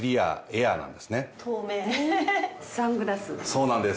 そうなんです。